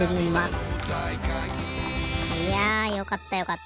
いやよかったよかった。